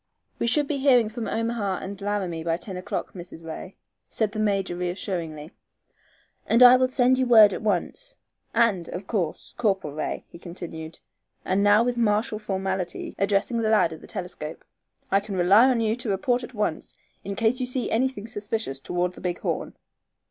"We should be hearing from Omaha and Laramie by ten o'clock, Mrs. Ray," said the major, reassuringly, "and I will send you word at once. And, of course, Corporal Ray," he continued, and now with martial formality addressing the lad at the telescope, "I can rely upon you to report at once in case you see anything suspicious toward the Big Horn."